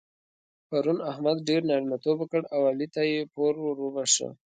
پرون احمد ډېر نارینتوب وکړ او علي ته يې پور ور وباښه.